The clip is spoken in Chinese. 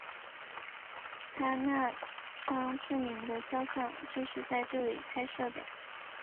他那张著名的肖像就是在这里拍摄的。